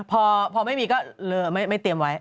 พอไม่มีก็เหลือไม่เตรียมไว้